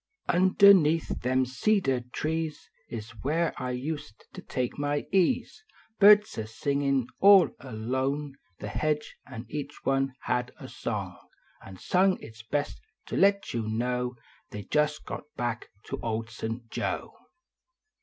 Underneath them cedar trees S where I used to take my ease. Hirds a singin all along The hedge, an each one had a song An sung its best to let yon know They jist got back to Old St. Joe.